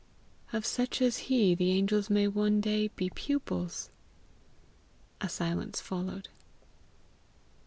Of such as he the angels may one day be the pupils." A silence followed.